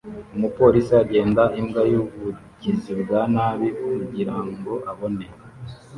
Umupolisi agenda imbwa yubugizi bwa nabi kugirango abone